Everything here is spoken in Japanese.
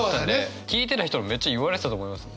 聴いてた人にめっちゃ言われてたと思います。